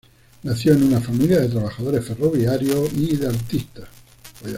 Nació en una familia de trabajadores ferroviarios y de artistas.